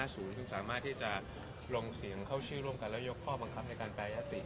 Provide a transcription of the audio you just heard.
ซึ่งสามารถที่จะลงเสียงเข้าชื่อร่วมกันแล้วยกข้อบังคับในการแปรยติ